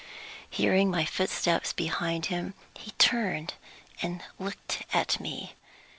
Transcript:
Hearing my footsteps behind him, he turned and looked at me.